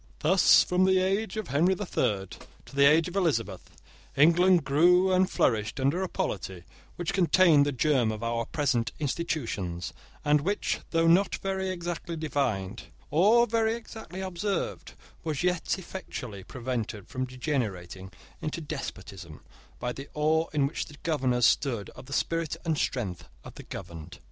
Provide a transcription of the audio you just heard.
Thus, from the age of Henry the Third to the age of Elizabeth, England grew and flourished under a polity which contained the germ of our present institutions, and which, though not very exactly defined, or very exactly observed, was yet effectually prevented from degenerating into despotism, by the awe in which the governors stood of the spirit and strength of the governed.